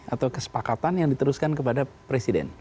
atau kesepakatan yang diteruskan kepada presiden